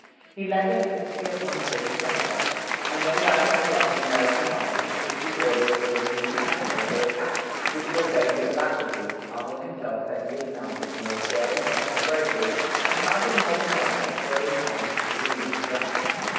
He led them instantly upon the British centre; and then galloping along the American line, he issued orders for a renewed and a closer attack, which were obeyed with alacrity, Arnold himself setting the example of the most daring personal bravery, and charging more than once, sword in hand, into the English ranks.